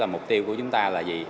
mục tiêu của chúng ta là gì